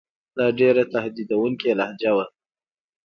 دا ډېره تهدیدوونکې لهجه وه.